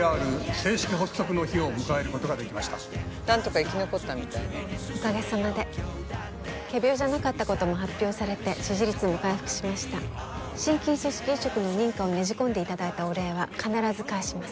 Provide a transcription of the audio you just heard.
正式発足の日を迎えることができました何とか生き残ったみたいねおかげさまで仮病じゃなかったことも発表され支持率も回復しました心筋組織移植の認可をねじ込んでいただいたお礼は必ず返します